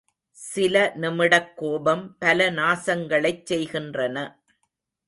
சில நிமிடக் கோபம் பல நாசங்களைச் செய்கின்றன.